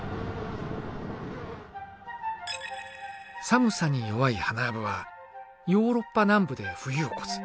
寒さに弱いハナアブはヨーロッパ南部で冬を越す。